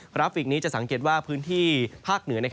ราฟิกนี้จะสังเกตว่าพื้นที่ภาคเหนือ